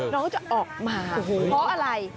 น้องจะออกมาเพราะอะไร